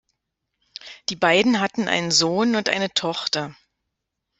Die beiden hatten einen Sohn und eine Tochter.